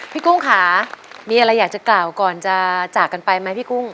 กุ้งค่ะมีอะไรอยากจะกล่าวก่อนจะจากกันไปไหมพี่กุ้ง